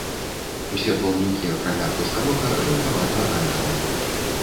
Усе плаўнікі, акрамя хваставога, жаўтавата-аранжавыя.